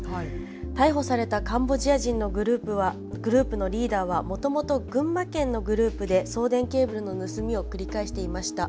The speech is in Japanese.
逮捕されたカンボジア人のグループのリーダーはもともと群馬県のグループで送電ケーブルの盗みを繰り返していました。